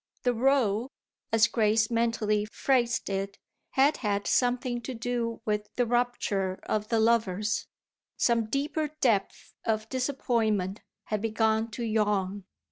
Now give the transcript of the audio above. The row, as Grace mentally phrased it, had had something to do with the rupture of the lovers some deeper depth of disappointment had begun to yawn.